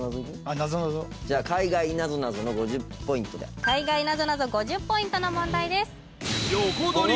なぞなぞじゃあ海外なぞなぞの５０ポイントで海外なぞなぞ５０ポイントの問題です